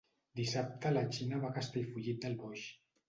Dissabte na Gina va a Castellfollit del Boix.